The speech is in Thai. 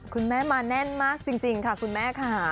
คุณแม่มาแน่นมากจริงค่ะคุณแม่ค่ะ